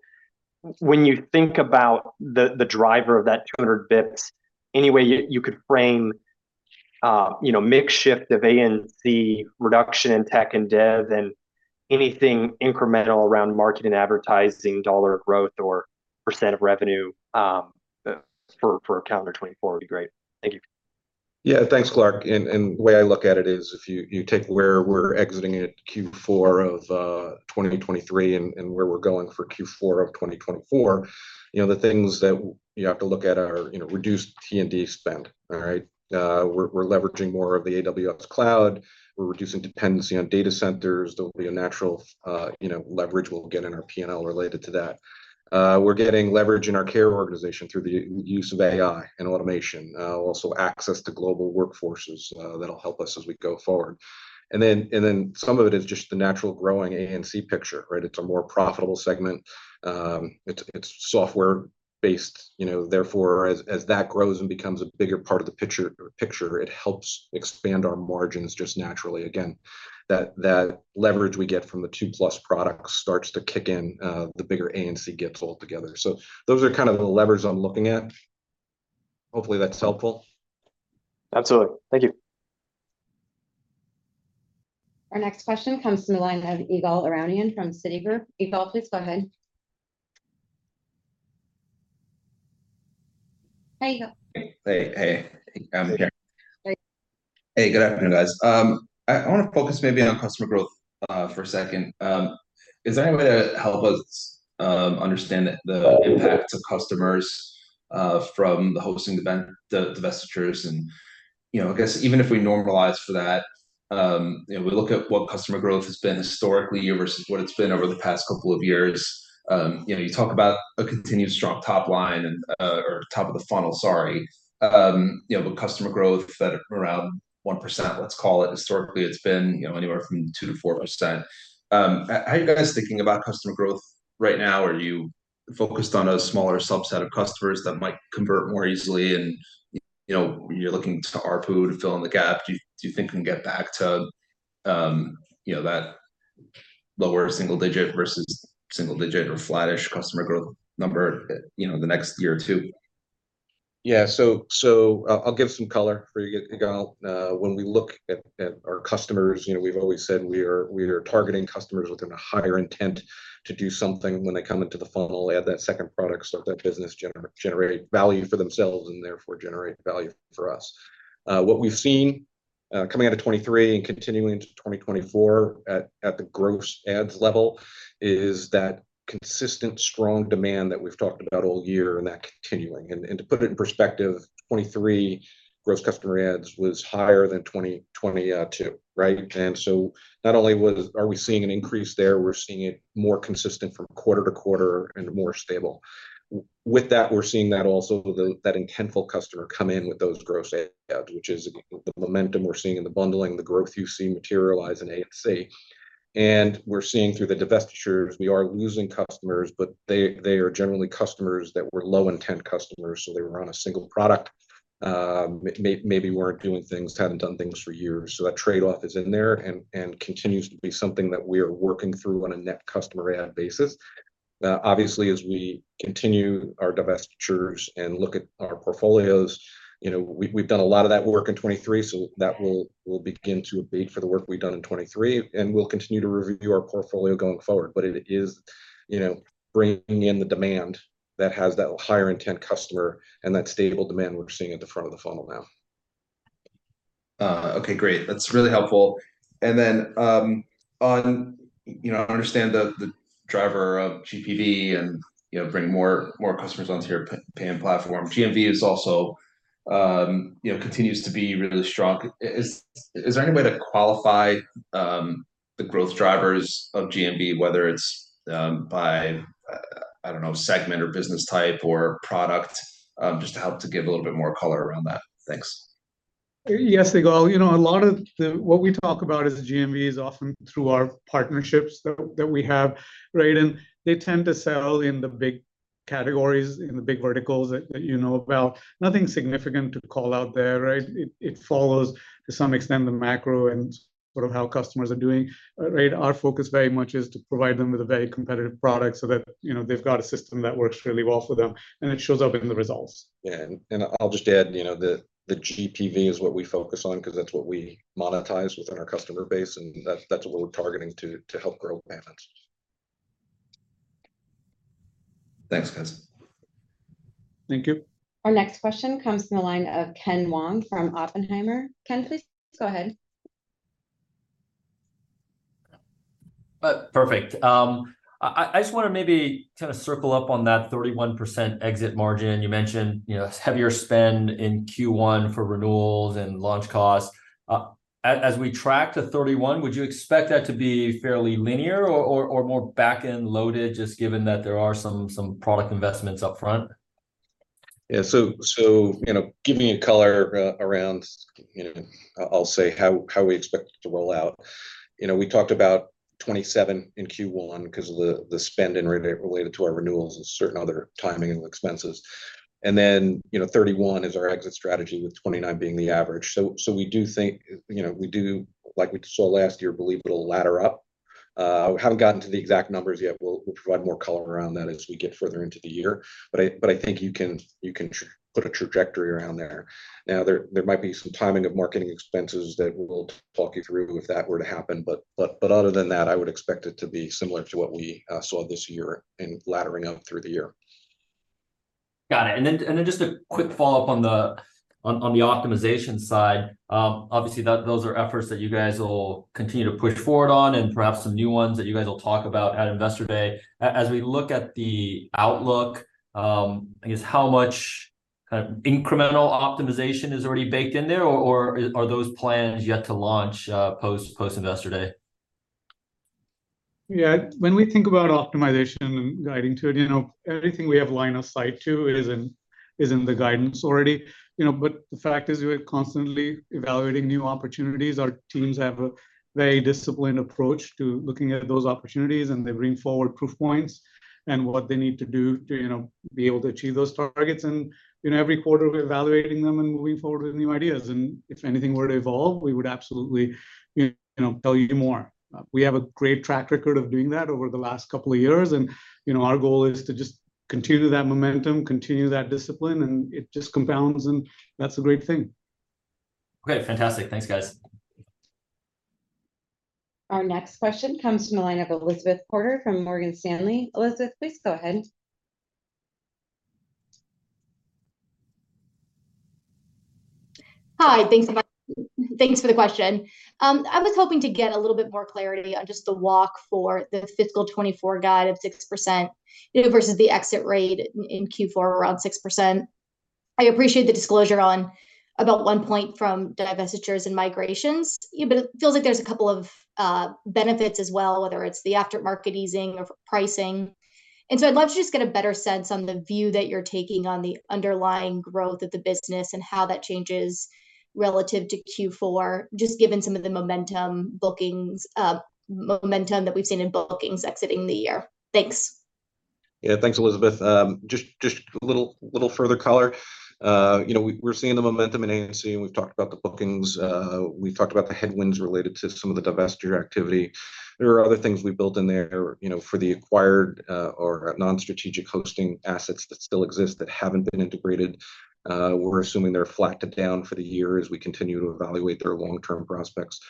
when you think about the driver of that 200 basis points, any way you could frame mix shift of A&C reduction in tech and dev and anything incremental around marketing and advertising dollar growth or percent of revenue for calendar 2024 would be great. Thank you. Yeah, thanks, Clarke. And the way I look at it is if you take where we're exiting at Q4 of 2023 and where we're going for Q4 of 2024, the things that you have to look at are reduced T&D spend, all right? We're leveraging more of the AWS cloud. We're reducing dependency on data centers. There'll be a natural leverage we'll get in our P&L related to that. We're getting leverage in our care organization through the use of AI and automation, also access to global workforces that'll help us as we go forward. And then some of it is just the natural growing A&C picture, right? It's a more profitable segment. It's software-based. Therefore, as that grows and becomes a bigger part of the picture, it helps expand our margins just naturally. Again, that leverage we get from the 2+ products starts to kick in the bigger A&C gets altogether. So those are kind of the levers I'm looking at. Hopefully, that's helpful. Absolutely. Thank you. Our next question comes from the line of Ygal Arounian from Citigroup. Ygal, please go ahead. Hi, Ygal. Hey, hey. I'm here. Hey, good afternoon, guys. I want to focus maybe on customer growth for a second. Is there any way to help us understand the impact of customers from the hosting divestitures? And I guess even if we normalize for that, we look at what customer growth has been historically versus what it's been over the past couple of years. You talk about a continuous strong top line or top of the funnel, sorry, but customer growth that around 1%, let's call it. Historically, it's been anywhere from 2%-4%. How are you guys thinking about customer growth right now? Are you focused on a smaller subset of customers that might convert more easily, and you're looking to ARPU to fill in the gap? Do you think we can get back to that lower single-digit versus single-digit or flat-ish customer growth number the next year or two? Yeah. So I'll give some color for you, Ygal. When we look at our customers, we've always said we are targeting customers within a higher intent to do something when they come into the funnel, add that second product, start that business, generate value for themselves, and therefore generate value for us. What we've seen coming out of 2023 and continuing into 2024 at the gross adds level is that consistent, strong demand that we've talked about all year, and that continuing. And to put it in perspective, 2023 gross customer adds was higher than 2022, right? And so not only are we seeing an increase there, we're seeing it more consistent from quarter to quarter and more stable. With that, we're seeing that also, that intentful customer come in with those gross adds, which is the momentum we're seeing in the bundling, the growth you see materialize in A&C. And we're seeing through the divestitures, we are losing customers, but they are generally customers that were low-intent customers. So they were on a single product, maybe weren't doing things, hadn't done things for years. So that trade-off is in there and continues to be something that we are working through on a net customer add basis. Obviously, as we continue our divestitures and look at our portfolios, we've done a lot of that work in 2023, so that will begin to abate for the work we've done in 2023. And we'll continue to review our portfolio going forward. But it is bringing in the demand that has that higher-intent customer and that stable demand we're seeing at the front of the funnel now. Okay, great. That's really helpful. And then I understand the driver of GPV and bringing more customers onto your payment platform. GMV continues to be really strong. Is there any way to qualify the growth drivers of GMV, whether it's by, I don't know, segment or business type or product, just to help to give a little bit more color around that? Thanks. Yes, Ygal. A lot of what we talk about as GMV is often through our partnerships that we have, right? And they tend to sell in the big categories, in the big verticals that you know about. Nothing significant to call out there, right? It follows to some extent the macro and sort of how customers are doing, right? Our focus very much is to provide them with a very competitive product so that they've got a system that works really well for them, and it shows up in the results. Yeah. And I'll just add, the GPV is what we focus on because that's what we monetize within our customer base, and that's what we're targeting to help grow payments. Thanks, guys. Thank you. Our next question comes from the line of Ken Wong from Oppenheimer. Ken, please go ahead. Perfect. I just want to maybe kind of circle up on that 31% exit margin. You mentioned heavier spend in Q1 for renewals and launch costs. As we track to 31, would you expect that to be fairly linear or more back-end loaded, just given that there are some product investments upfront? Yeah. So giving you color around, I'll say, how we expect it to roll out. We talked about 27 in Q1 because of the spend related to our renewals and certain other timing and expenses. And then 31 is our exit strategy with 29 being the average. So we do think we do, like we saw last year, believe it'll ladder up. I haven't gotten to the exact numbers yet. We'll provide more color around that as we get further into the year. But I think you can put a trajectory around there. Now, there might be some timing of marketing expenses that we'll talk you through if that were to happen. But other than that, I would expect it to be similar to what we saw this year and laddering up through the year. Got it. Then just a quick follow-up on the optimization side. Obviously, those are efforts that you guys will continue to push forward on and perhaps some new ones that you guys will talk about at Investor Day. As we look at the outlook, I guess, how much kind of incremental optimization is already baked in there, or are those plans yet to launch post-Investor Day? Yeah. When we think about optimization and guiding to it, everything we have line of sight to is in the guidance already. But the fact is, we're constantly evaluating new opportunities. Our teams have a very disciplined approach to looking at those opportunities, and they bring forward proof points and what they need to do to be able to achieve those targets. And every quarter, we're evaluating them and moving forward with new ideas. And if anything were to evolve, we would absolutely tell you more. We have a great track record of doing that over the last couple of years. And our goal is to just continue that momentum, continue that discipline, and it just compounds, and that's a great thing. Okay. Fantastic. Thanks, guys. Our next question comes from the line of Elizabeth Porter from Morgan Stanley. Elizabeth, please go ahead. Hi. Thanks for the question. I was hoping to get a little bit more clarity on just the walk for the fiscal 2024 guide of 6% versus the exit rate in Q4 around 6%. I appreciate the disclosure on about one point from divestitures and migrations, but it feels like there's a couple of benefits as well, whether it's the aftermarket easing or pricing. And so I'd love to just get a better sense on the view that you're taking on the underlying growth of the business and how that changes relative to Q4, just given some of the momentum that we've seen in bookings exiting the year. Thanks. Yeah. Thanks, Elizabeth. Just a little further color. We're seeing the momentum in A&C, and we've talked about the bookings. We've talked about the headwinds related to some of the divestiture activity. There are other things we built in there for the acquired or non-strategic hosting assets that still exist that haven't been integrated. We're assuming they're flattened down for the year as we continue to evaluate their long-term prospects.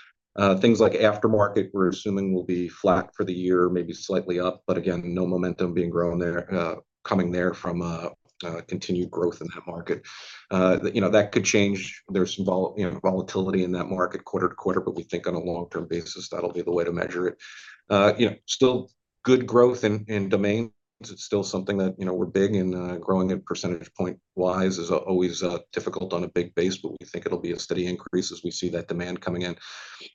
Things like aftermarket, we're assuming will be flat for the year, maybe slightly up, but again, no momentum coming there from continued growth in that market. That could change. There's some volatility in that market quarter to quarter, but we think on a long-term basis, that'll be the way to measure it. Still good growth in domains. It's still something that we're big in growing at percentage point-wise is always difficult on a big base, but we think it'll be a steady increase as we see that demand coming in.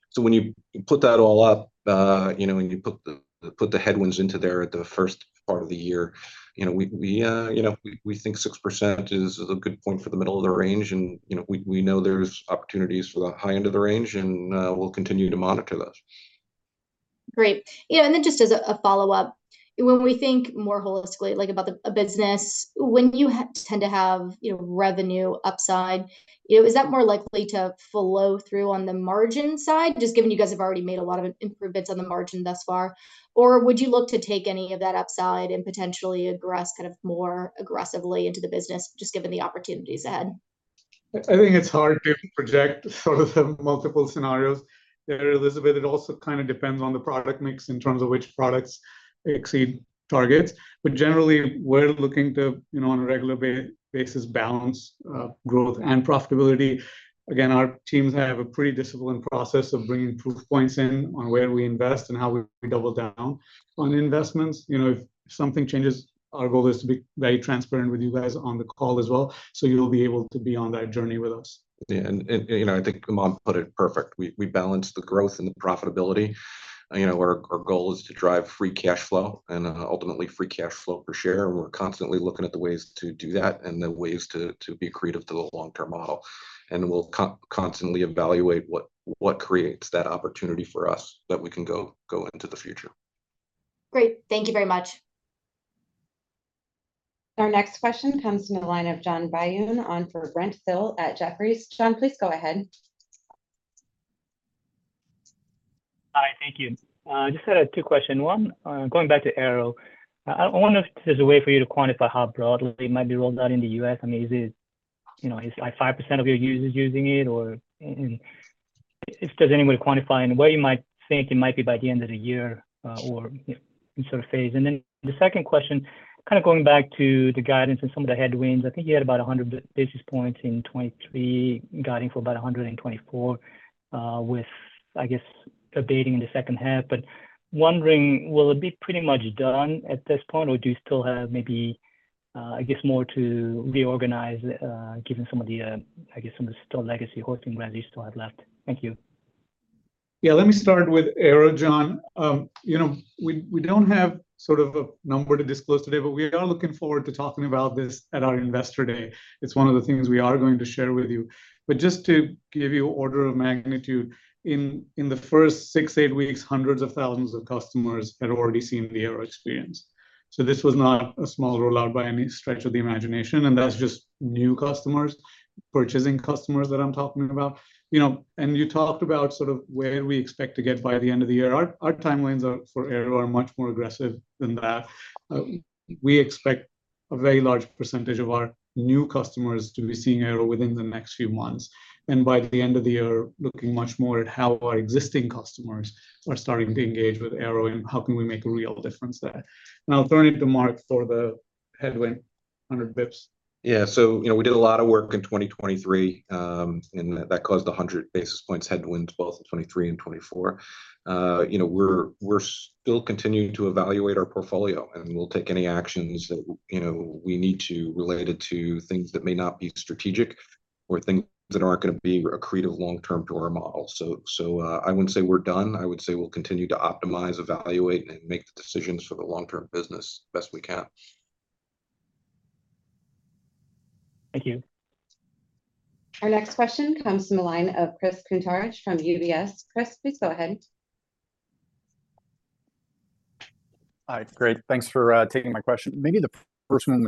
So when you put that all up and you put the headwinds into there at the first part of the year, we think 6% is a good point for the middle of the range. And we know there's opportunities for the high end of the range, and we'll continue to monitor those. Great. And then just as a follow-up, when we think more holistically about a business, when you tend to have revenue upside, is that more likely to flow through on the margin side, just given you guys have already made a lot of improvements on the margin thus far? Or would you look to take any of that upside and potentially address kind of more aggressively into the business, just given the opportunities ahead? I think it's hard to project sort of the multiple scenarios. Elizabeth, it also kind of depends on the product mix in terms of which products exceed targets. Generally, we're looking to, on a regular basis, balance growth and profitability. Again, our teams have a pretty disciplined process of bringing proof points in on where we invest and how we double down on investments. If something changes, our goal is to be very transparent with you guys on the call as well. You'll be able to be on that journey with us. Yeah. I think Aman put it perfectly. We balance the growth and the profitability. Our goal is to drive free cash flow and ultimately free cash flow per share. We're constantly looking at the ways to do that and the ways to be creative to the long-term model. We'll constantly evaluate what creates that opportunity for us that we can go into the future. Great. Thank you very much. Our next question comes from the line of John Byun on for Brent Thill at Jefferies. John, please go ahead. Hi. Thank you. I just had two questions. One, going back to Airo, I wonder if there's a way for you to quantify how broadly it might be rolled out in the U.S. I mean, is it 5% of your users using it? Or does anybody quantify where you might think it might be by the end of the year or sort of phase? And then the second question, kind of going back to the guidance and some of the headwinds, I think you had about 100 basis points in 2023, guiding for about 124 with, I guess, abating in the second half. But wondering, will it be pretty much done at this point, or do you still have maybe, I guess, more to reorganize given some of the, I guess, some of the still legacy hosting brands you still have left? Thank you. Yeah. Let me start with Airo, John. We don't have sort of a number to disclose today, but we are looking forward to talking about this at our Investor Day. It's one of the things we are going to share with you. But just to give you order of magnitude, in the first six to eight weeks, 100,000 of customers had already seen the Airo experience. So this was not a small rollout by any stretch of the imagination. And that's just new customers, purchasing customers that I'm talking about. And you talked about sort of where we expect to get by the end of the year. Our timelines for Airo are much more aggressive than that. We expect a very large percentage of our new customers to be seeing Airo within the next few months and by the end of the year, looking much more at how our existing customers are starting to engage with Airo and how can we make a real difference there. I'll turn it to Mark for the headwind, 100 basis points. Yeah. So we did a lot of work in 2023, and that caused the 100 basis points headwinds both in 2023 and 2024. We're still continuing to evaluate our portfolio, and we'll take any actions that we need to related to things that may not be strategic or things that aren't going to be a creative long-term to our model. So I wouldn't say we're done. I would say we'll continue to optimize, evaluate, and make the decisions for the long-term business best we can. Thank you. Our next question comes from the line of Chris Kuntarich from UBS. Chris, please go ahead. Hi. Great. Thanks for taking my question. Maybe the first one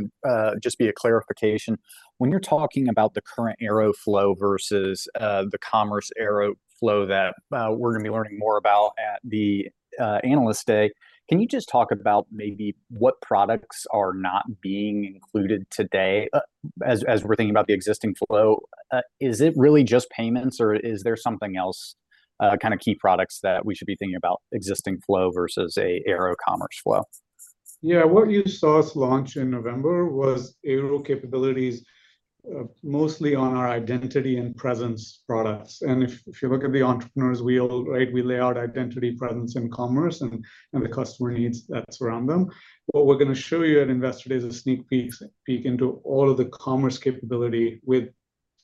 would just be a clarification. When you're talking about the current Airo flow versus the commerce Airo flow that we're going to be learning more about at the Analyst Day, can you just talk about maybe what products are not being included today as we're thinking about the existing flow? Is it really just payments, or is there something else, kind of key products that we should be thinking about, existing flow versus an Airo commerce flow? Yeah. What you saw us launch in November was Airo capabilities, mostly on our identity and presence products. And if you look at the entrepreneurs wheel, right, we lay out identity, presence, and commerce, and the customer needs that surround them. What we're going to show you at Investor Day is a sneak peek into all of the commerce capability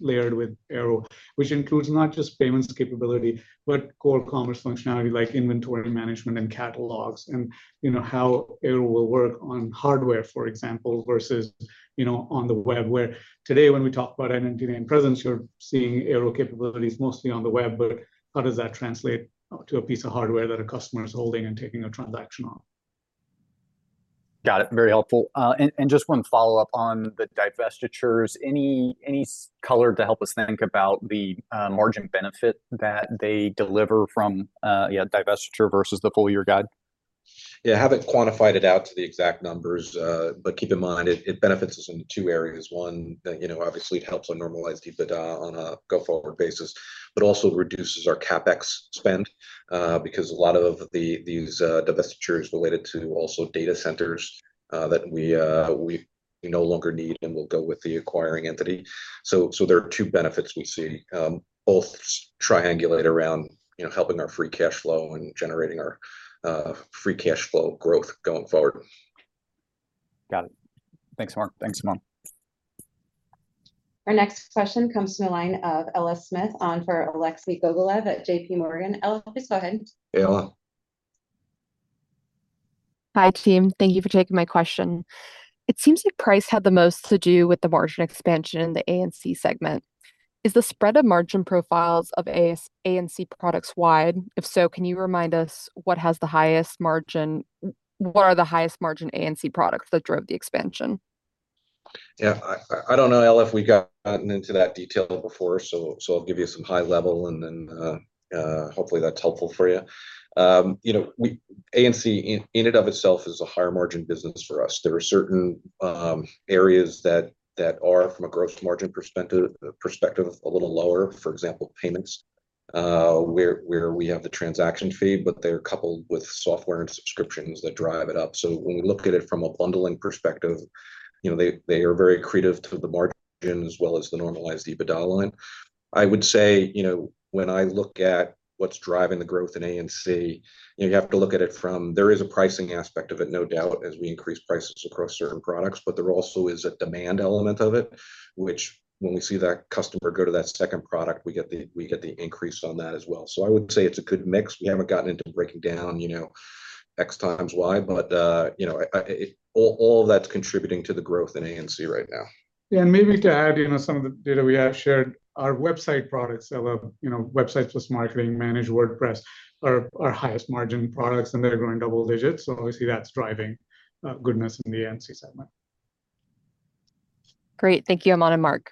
layered with Airo, which includes not just payments capability but core commerce functionality like inventory management and catalogs and how Airo will work on hardware, for example, versus on the web. Where today, when we talk about identity and presence, you're seeing Airo capabilities mostly on the web. But how does that translate to a piece of hardware that a customer is holding and taking a transaction on? Got it. Very helpful. Just one follow-up on the divestitures, any color to help us think about the margin benefit that they deliver from divestiture versus the full-year guide? Yeah. Haven't quantified it out to the exact numbers, but keep in mind, it benefits us in two areas. One, obviously, it helps us normalize EBITDA on a go-forward basis, but also reduces our CapEx spend because a lot of these divestitures related to also data centers that we no longer need and will go with the acquiring entity. So there are two benefits we see both triangulate around helping our free cash flow and generating our free cash flow growth going forward. Got it. Thanks, Mark. Thanks, Aman. Our next question comes from the line of Ella Smith on for Alexei Gogolev at JPMorgan. Ella, please go ahead. Hey, Ella. Hi, team. Thank you for taking my question. It seems like price had the most to do with the margin expansion in the A&C segment. Is the spread of margin profiles of A&C products wide? If so, can you remind us what has the highest margin? What are the highest margin A& products that drove the expansion? Yeah. I don't know, Ella, if we've gotten into that detail before, so I'll give you some high-level, and then hopefully, that's helpful for you. A&C, in and of itself, is a higher-margin business for us. There are certain areas that are, from a gross margin perspective, a little lower, for example, payments, where we have the transaction fee, but they're coupled with software and subscriptions that drive it up. So when we look at it from a bundling perspective, they are very contributory to the margin as well as the normalized EBITDA line. I would say when I look at what's driving the growth in A&C, you have to look at it from there is a pricing aspect of it, no doubt, as we increase prices across certain products, but there also is a demand element of it, which when we see that customer go to that second product, we get the increase on that as well. So I would say it's a good mix. We haven't gotten into breaking down X times Y, but all of that's contributing to the growth in A&C right now. Yeah. And maybe to add some of the data we have shared, our website products, Airo, website plus marketing, Managed WordPress, are our highest margin products, and they're growing double digits. So obviously, that's driving goodness in the A&C segment. Great. Thank you, Aman and Mark.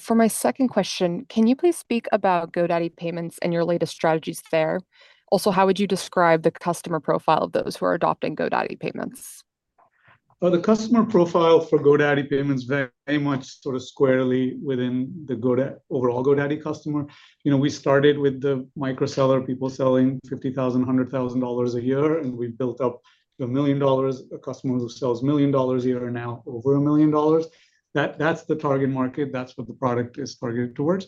For my second question, can you please speak about GoDaddy Payments and your latest strategies there? Also, how would you describe the customer profile of those who are adopting GoDaddy Payments? Oh, the customer profile for GoDaddy Payments very much sort of squarely within the overall GoDaddy customer. We started with the micro-seller, people selling $50,000-$100,000 a year, and we've built up $1 million, a customer who sells $1 million a year and now over $1 million. That's the target market. That's what the product is targeted towards.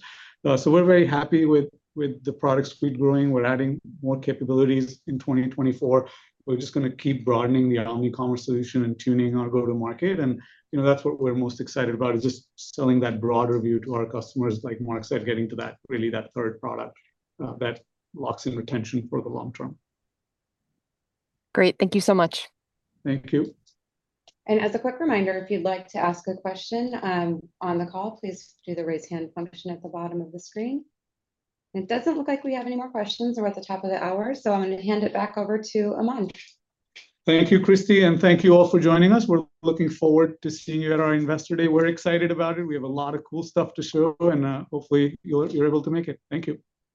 So we're very happy with the products we're growing. We're adding more capabilities in 2024. We're just going to keep broadening the OmniCommerce solution and tuning our go-to-market. And that's what we're most excited about, is just selling that broader view to our customers. Like Mark said, getting to really that third product that locks in retention for the long term. Great. Thank you so much. Thank you. As a quick reminder, if you'd like to ask a question on the call, please do the raise hand function at the bottom of the screen. It doesn't look like we have any more questions. We're at the top of the hour, so I'm going to hand it back over to Aman. Thank you, Christie, and thank you all for joining us. We're looking forward to seeing you at our Investor Day. We're excited about it. We have a lot of cool stuff to show, and hopefully, you're able to make it. Thank you.